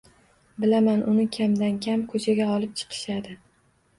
Bilaman, uni kamdan kam ko`chaga olib chiqishadi